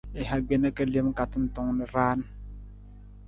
I ha gbena ka lem ka tantong na raan.